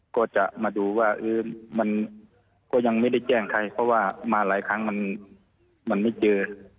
ก็จะมาดูว่ามันก็ยังไม่ได้แจ้งใครเพราะว่ามาหลายครั้งมันไม่เจอ